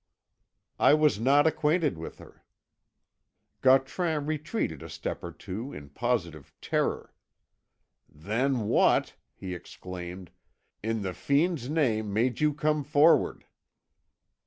"I was not acquainted with her." Gautran retreated a step or two, in positive terror. "Then what," he exclaimed, "in the fiend's name made you come forward?"